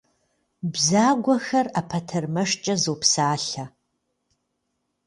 Бзагуэхэр ӏэпэтэрмэшкӏэ зопсалъэ.